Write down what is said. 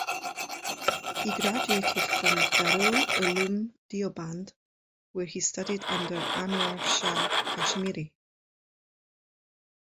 He graduated from Darul Uloom Deoband where he studied under Anwar Shah Kashmiri.